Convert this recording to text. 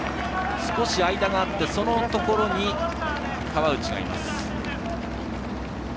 少し間があってそのところに川内がいます。